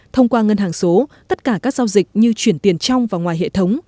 thông qua ngân hàng số tất cả các giao dịch như chuyển tiền trong và ngoài hệ thống